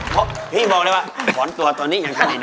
พี่บอกเลยว่าขอนตัวตอนนี้อย่างใกล้น้อย